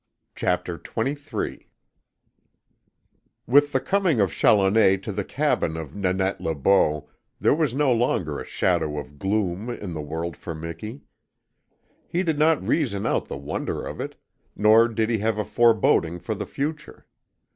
CHAPTER TWENTY THREE With the coming of Challoner to the cabin of Nanette Le Beau there was no longer a shadow of gloom in the world for Miki. He did not reason out the wonder of it, nor did he have a foreboding for the future.